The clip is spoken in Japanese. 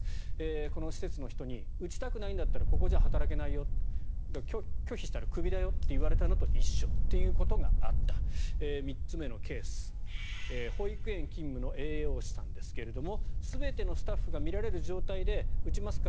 この施設の人に打ちたくないんだったらここじゃ働けないよ拒否したらクビだよと言われたのと一緒ということがあった３つ目のケース保育園勤務の栄養士さんですが全てのスタッフが見られる状態で打ちますか？